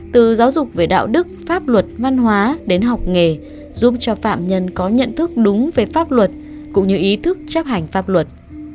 từ giáo dục về đạo đức pháp luật văn hóa đến học nghề giúp cho phạm nhân có nhận thức đúng về pháp luật cũng như ý thức chấp hành pháp luật